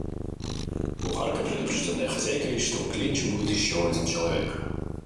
Кухарка, предупрежденная хозяйкой, что к ленчу будет еще один человек,